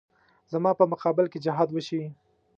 زما په مقابل کې جهاد وشي.